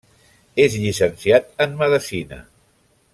És llicenciat en Medicina.